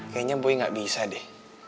kayaknya bui gak bisa deh